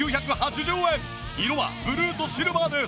色はブルーとシルバーです。